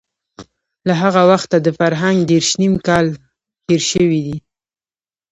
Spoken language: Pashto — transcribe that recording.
له هغه وخته د فرهنګ دېرش نيم کاله تېر شوي دي.